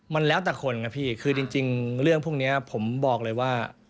มันแล้วแต่คนนะพี่คือจริงเรื่องพวกนี้ผมบอกเลยว่า